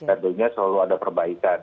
artinya selalu ada perbaikan